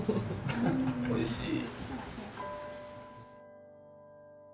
おいしい。